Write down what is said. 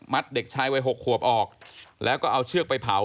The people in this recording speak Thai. เด็กชายวัย๖ขวบออกแล้วก็เอาเชือกไปเผา